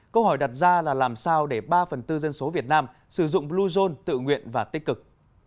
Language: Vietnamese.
câu hỏi đặt ra là làm sao để ba phần tư dân số việt nam sử dụng bluezone tự nguyện và tích cực